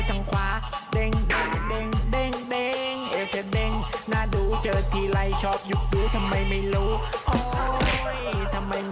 แต่กางเกงอะไรชัง